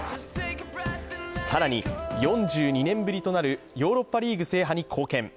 更に、４２年ぶりとなるヨーロッパリーグ制覇に貢献。